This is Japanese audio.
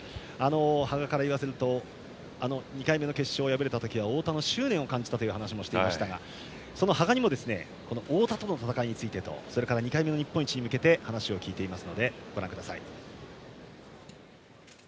羽賀から言わせると２回目の決勝で敗れた時は太田の執念を感じたという話もしていましたがその羽賀にも太田との戦いについてとそれから２回目の日本一に向けて聞いています。